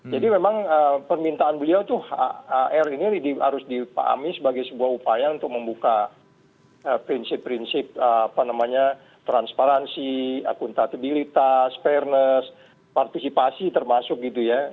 jadi memang permintaan beliau itu r ini harus dipahami sebagai sebuah upaya untuk membuka prinsip prinsip transparansi akuntabilitas fairness partisipasi termasuk gitu ya